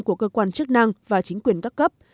của cơ quan chức năng và chính quyền các cấp